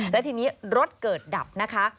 และทีนี้รถเกิดดับนะคะ